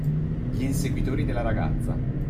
Gli inseguitori della ragazza